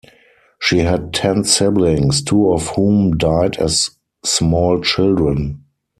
She had ten siblings, two of whom died as small children.